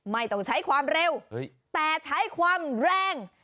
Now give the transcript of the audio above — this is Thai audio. ไม่ต้องใช้ความเร็วแต่ใช้ความแรง